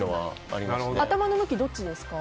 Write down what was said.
頭の向きはどっちですか？